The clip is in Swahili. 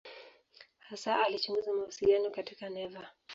Hasa alichunguza mawasiliano katika neva.